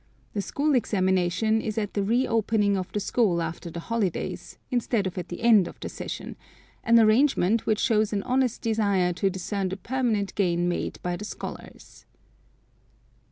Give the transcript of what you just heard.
The school examination is at the re opening of the school after the holidays, instead of at the end of the session—an arrangement which shows an honest desire to discern the permanent gain made by the scholars.